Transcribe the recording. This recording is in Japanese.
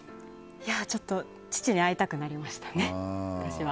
ちょっと父に会いたくなりましたね、私は。